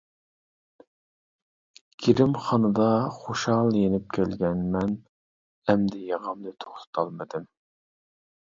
گىرىمخانىدا خۇشال يېنىپ كەلگەن مەن ئەمدى يىغامنى توختىتالمىدىم.